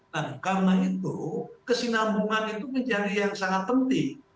nah karena itu kesinambungan itu menjadi yang sangat penting